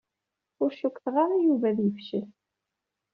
Ur cukkteɣ ara Yuba ad yefcel.